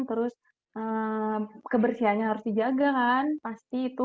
terus kebersihannya harus dijaga kan pasti itu